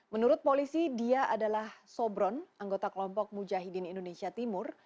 menurut polisi dia adalah sobron anggota kelompok mujahidin indonesia timur